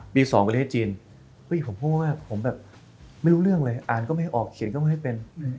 ๒ประเทศจีนผมพูดว่าผมแบบไม่รู้เรื่องเลยอ่านก็ไม่ออกเขียนก็ไม่เป็น